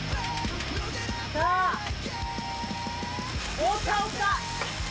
さあ、覆った、覆った。